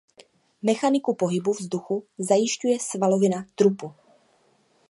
Mechaniku pohybu vzduchu zajišťuje svalovina trupu.